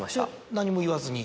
何も言わずに？